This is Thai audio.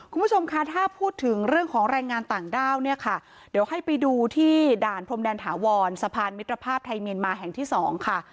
คุณผู้ชมคะถ้าพูดถึงเรื่องของแรงงานต่างด้าวเนี่ยค่ะเดี๋ยวให้ไปดูที่ด่านพรมแดนถาวรสะพานมิตรภาพไทยเมียนมาแห่งที่สองค่ะ